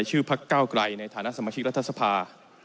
ชื่อพระเก้ากลายในฐานะสมาชิกรัฐสภา